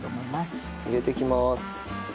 入れていきます。